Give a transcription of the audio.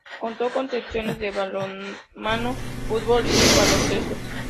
Contó con secciones de balonmano, fútbol y baloncesto.